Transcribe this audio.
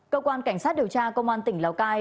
cơ quan cảnh sát điều tra công an tỉnh lào cai